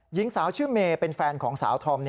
หญิงสาวชื่อเมย์เป็นแฟนของสาวธอม